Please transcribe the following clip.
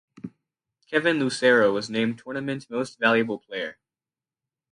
Kevin Lucero was named Tournament Most Valuable Player.